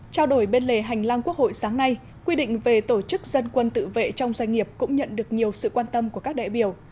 trao đổi bên lề hành lang quốc hội sáng nay quy định về tổ chức dân quân tự vệ trong doanh nghiệp cũng nhận được nhiều sự quan tâm của các đại biểu